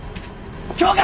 教官！